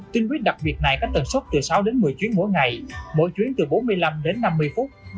tuyến buýt đặc biệt này có tần sốt từ sáu đến một mươi chuyến mỗi ngày mỗi chuyến từ bốn mươi năm đến năm mươi phút